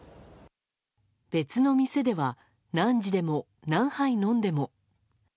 別の店では何時でも何杯飲んでも。